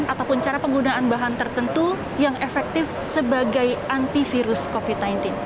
ataupun cara penggunaan bahan tertentu yang efektif sebagai antivirus covid sembilan belas